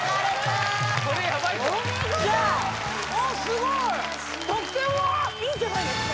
おっすごい得点は・いいんじゃないですか？